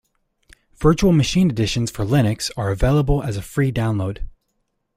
Virtual Machine Additions for Linux are available as a free download.